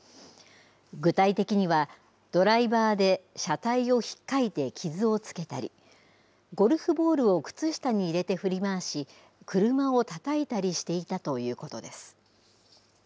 具体的には、ドライバーで車体をひっかいて傷をつけたり、ゴルフボールを靴下に入れて振り回し、車をたたいたりしていたということです。